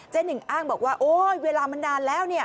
เจนหนึ่งอ้างบอกว่าเวลามันนานแล้ว